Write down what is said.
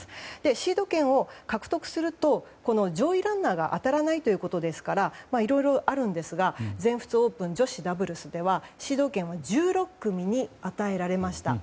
シード権を獲得すると上位ランナーが当たらないということですからいろいろあるんですが全仏オープンの女子ダブルスではシード権を１６組に与えられました。